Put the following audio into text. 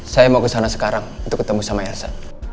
saya mau ke sana sekarang untuk ketemu sama elsa